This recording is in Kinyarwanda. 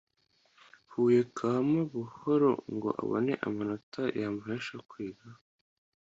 huye karama buhoro ngo abone amanota yamuhesha kwiga